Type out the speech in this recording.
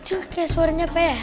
itu kayak suaranya apa ya